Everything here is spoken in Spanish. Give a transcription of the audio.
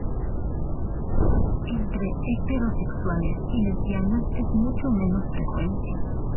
Entre heterosexuales y lesbianas es mucho menos frecuente.